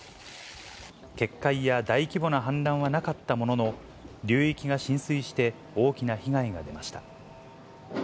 決壊や大規模な氾濫はなかったものの、流域が浸水して、大きな被害が出ました。